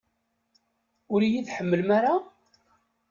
Ur iyi-tḥemmlem ara?